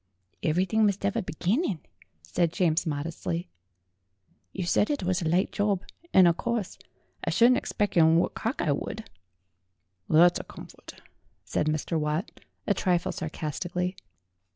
"Ev'rythink must 'ave a beginnin'," said James modestly. "You said it was a light job. And o' course I shouldn't egspec' whort Cockeye would." "That's a comfort," said Mr. Watt, a trifle sarcasti cally.